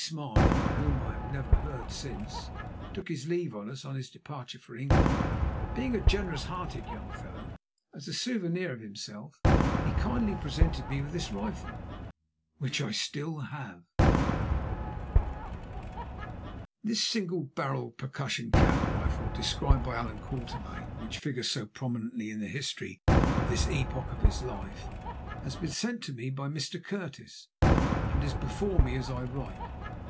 Smyth—of whom I have never heard since—took his leave of us on his departure for England, being a generous hearted young fellow, as a souvenir of himself, he kindly presented me with this rifle, which I still have. This single barrelled percussion cap rifle described by Allan Quatermain, which figures so prominently in the history of this epoch of his life, has been sent to me by Mr. Curtis, and is before me as I write.